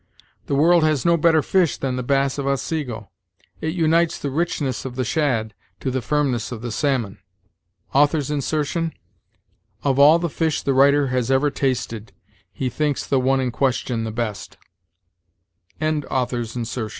The world has no better fish than the bass of Otsego; it unites the richness of the shad* to the firmness of the salmon." * Of all the fish the writer has ever tasted, he thinks the one in question the best.